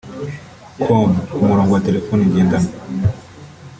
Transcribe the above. com ku murongo wa telefoni ngendenwa